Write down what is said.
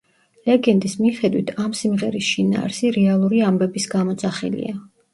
ლეგენდის მიხედვით, ამ სიმღერის შინაარსი რეალური ამბების გამოძახილია.